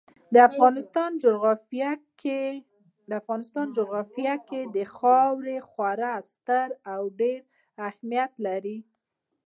د افغانستان جغرافیه کې خاوره خورا ستر او ډېر اهمیت لري.